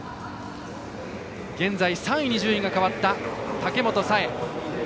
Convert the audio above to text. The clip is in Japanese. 現在３位に順位が変わった武本紗栄。